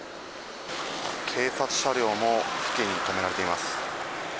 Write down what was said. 警察車両も付近に止められています。